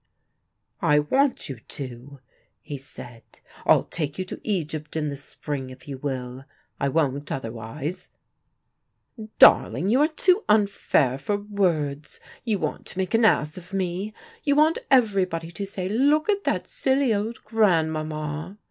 "I want you to," he said. "I'll take you to Egypt in the spring, if you will. I won't otherwise." "Darling, you are too unfair for words. You want to make an ass of me. You want everybody to say 'Look at that silly old grandmama.'